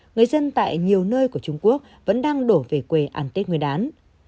người dân tại nhiều nơi của trung quốc vẫn đang đổ về quê ăn tết nguyên đán